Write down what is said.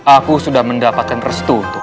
aku sudah mendapatkan restu untuk